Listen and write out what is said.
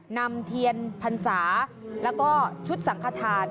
นำเถียงผัญญี่แล้วก็ชุดสังฆาธาณ